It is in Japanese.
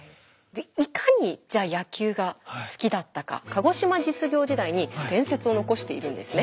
いかにじゃあ野球が好きだったか鹿児島実業時代に伝説を残しているんですね。